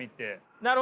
なるほど。